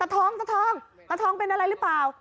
ตะทองเป็นอะไรหรือเปล่า